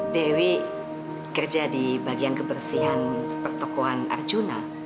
dewi kerja di bagian kebersihan pertokohan arjuna